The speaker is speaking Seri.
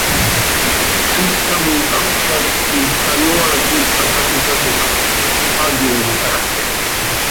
Zixcám cacöla quih canoaa quih hatapócatoj, hayoomlajc.